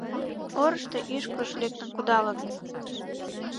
— Орышо ӱшкыж лектын кудалын!